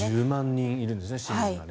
１０万人いるんですね。